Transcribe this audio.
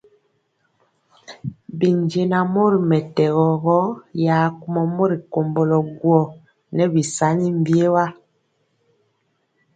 Binjɛnaŋ mori mɛtɛgɔ gɔ ya kumɔ mori komblo guó nɛ bisani biewa.